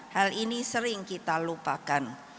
hal ini sering kita lupakan